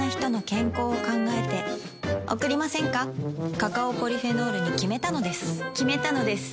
カカオポリフェノールに決めたのです決めたのです。